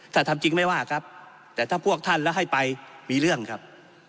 ถ้าทำจริงไม่ว่าครับแต่ถ้าพวกท่านแล้วให้ไปมีเรื่องครับ